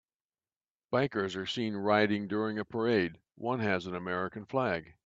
Bikers are seen riding during a parade, one has an American flag.